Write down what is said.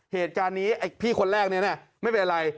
เหตุการณ์นี้ไอ้พี่คนแรกนี้ไม่เป็นอะไร